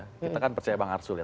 kita kan percaya bang arsul ya